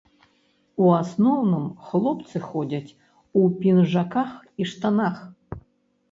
У асноўным, хлопцы ходзяць у пінжаках і штанах.